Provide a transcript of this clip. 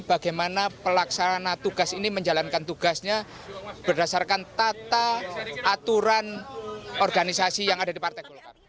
bagaimana pelaksana tugas ini menjalankan tugasnya berdasarkan tata aturan organisasi yang ada di partai golkar